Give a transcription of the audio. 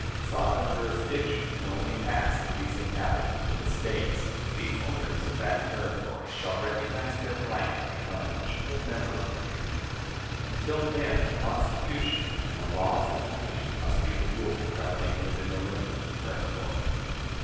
Sovereign jurisdiction can only pass to these inhabitants when the States, the owners of that Territory shall recognize their right to become an equal member of the Union. Until then, the Constitution and the laws of the Union must be the rule governing within the limits of a Territory.